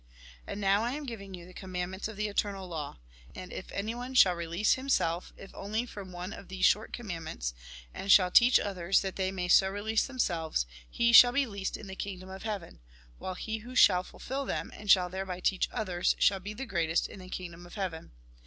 And now I am giving you the commandments of the eternal law. And if anyone shall release him Lk. vi. 24. Mt. V. 13. GOD'S KINGDOM V. 20. 22, 24. self, if only from one of these short commandments, and shall teach others that they may so release themselves, he shall be least in the kingdom of heaven ; while he who shall fulfil them, and shall thereby teach others, shall be the greatest in the kingdom of heaven.